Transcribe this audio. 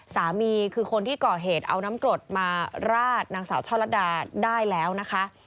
สามีคือคนที่ก่อเหตุเอาน้ำกรดมาราดนางสาวช่อลัดดาได้แล้วนะคะ